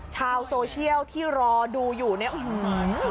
ชาวโซเชียลที่รอดูอยู่เนี่ยอื้อหือ